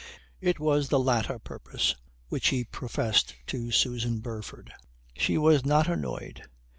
It was the latter purpose which he professed to Susan Burford. She was not annoyed.